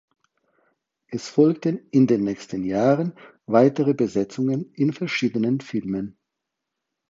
Es folgten in den nächsten Jahren weitere Besetzungen in verschiedenen Filmen.